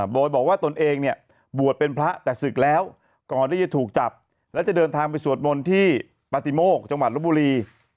โดยบอกว่าตนเองเนี่ยบวชเป็นพระแต่ศึกแล้วก่อนที่จะถูกจับและจะเดินทางไปสวดมนต์ที่ปฏิโมกจังหวัดลบบุรี